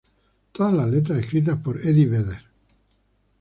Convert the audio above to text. Todas las letras escritas por Eddie Vedder.